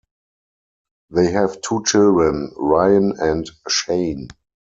They have two children, Ryan and Shane.